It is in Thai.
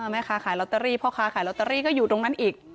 แม่ค้าขายลอตเตอรี่พ่อค้าขายลอตเตอรี่ก็อยู่ตรงนั้นอีก